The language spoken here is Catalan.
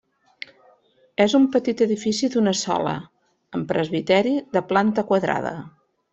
És un petit edifici d'una sola, amb presbiteri de planta quadrada.